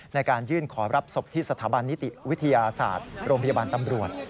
ในการยื่นขอรับศพที่สถาบันนิติวิทยาศาสตร์โรงพยาบาลตำรวจ